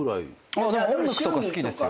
音楽とか好きですよ。